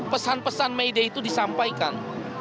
pesan pesan mayday itu disampaikan